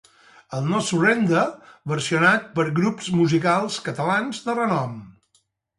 El ‘No Surrender’, versionat per grups musicals catalans de renom.